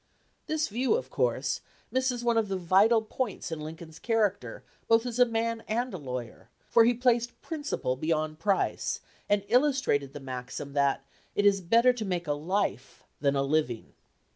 This view, of course, misses one of the vital points in Lincoln's character both as a man and a lawyer, for he placed prin ciple beyond price and illustrated the maxim that it is "better to make a life than a living."